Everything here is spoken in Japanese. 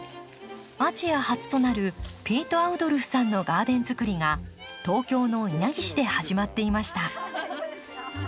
アジア初となるピート・アウドルフさんのガーデンづくりが東京の稲城市で始まっていました。